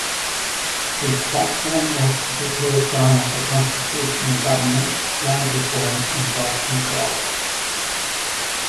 His platform was to prepare China for constitutional government, land reform and price control.